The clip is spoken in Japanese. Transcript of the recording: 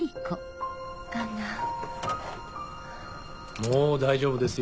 もう大丈夫ですよ